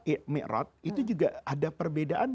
i'mi'rat itu juga ada perbedaan